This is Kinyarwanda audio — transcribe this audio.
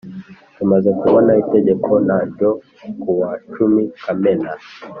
Tumaze kubona Itegeko N ryo kuwa cumi kamena